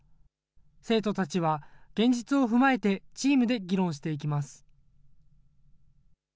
生徒たちは現実を踏まえてチームで議論していきます。